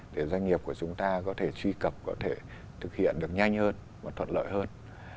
để doanh nghiệp của chúng ta có thể truy cập có thể thực hiện được nhanh hơn